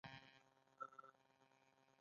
زه د جملو د پاکوالي لپاره بیدار وم.